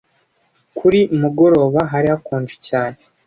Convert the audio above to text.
Kuri mugoroba hari hakonje cyane.